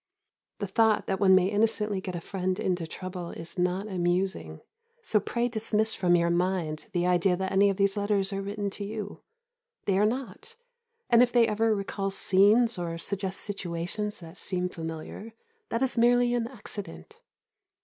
The thought that one may innocently get a friend into trouble is not amusing, so pray dismiss from your mind the idea that any of these letters are written to you. They are not; and if they ever recall scenes, or suggest situations that seem familiar, that is merely an accident.